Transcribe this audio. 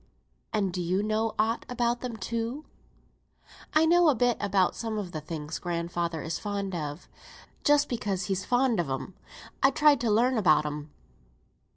"And do you know aught about them, too?" "I know a bit about some of the things grandfather is fond on; just because he's fond on 'em I tried to learn about them."